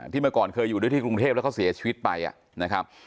เมื่อก่อนเคยอยู่ด้วยที่กรุงเทพแล้วเขาเสียชีวิตไปนะครับ